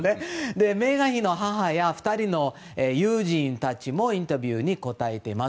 メーガン妃の母や２人の友人たちもインタビューに答えています。